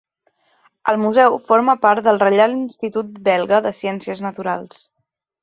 El museu forma part del Reial Institut belga de ciències naturals.